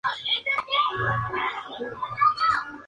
Actividades primarias y terciarias.